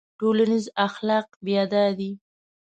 ټولنیز اخلاق بیا دا دي.